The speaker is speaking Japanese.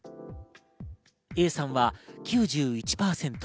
Ａさんは９１％。